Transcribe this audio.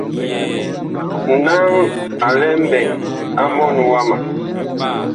Naŋ a lɛ mɓɛɛŋ mɔɔn wama.